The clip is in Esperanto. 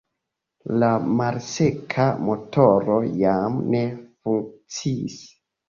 La malseka motoro jam ne funkciis.